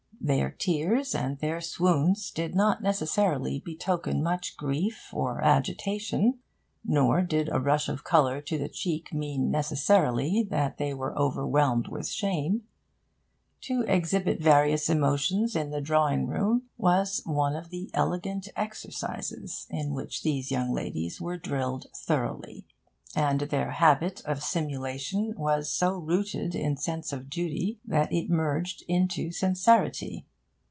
Their tears and their swoons did not necessarily betoken much grief or agitation; nor did a rush of colour to the cheek mean necessarily that they were overwhelmed with shame. To exhibit various emotions in the drawing room was one of the Elegant Exercises in which these young ladies were drilled thoroughly. And their habit of simulation was so rooted in sense of duty that it merged into sincerity.